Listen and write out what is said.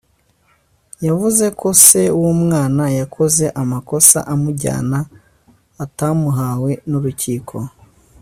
yavuze ko se w’umwana yakoze amakosa amujyana atamuhawe n’urukiko